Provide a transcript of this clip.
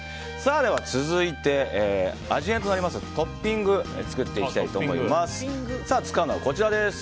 続いて、味変となりますトッピングを作っていきます。